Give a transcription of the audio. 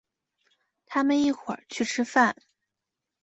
他们一会儿去吃饭。